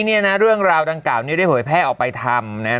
เนี่ยนะเรื่องราวดังกล่าวนี้ได้เผยแพร่ออกไปทำนะ